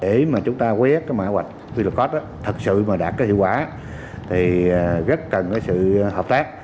để mà chúng ta quét mã qr code thật sự mà đạt hiệu quả thì rất cần sự hợp tác